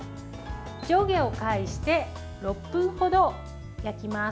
上下を返して、６分程焼きます。